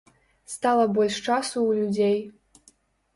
Стала больш часу ў людзей.